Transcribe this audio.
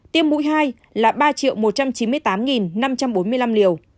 tiêm mũi hai là ba một trăm chín mươi tám năm trăm bốn mươi tám